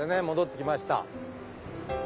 戻って来ました。